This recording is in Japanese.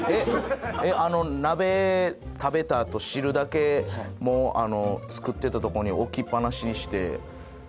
あの鍋食べたあと汁だけ作ってたとこに置きっぱなしにして。